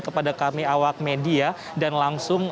kepada kami awak media dan langsung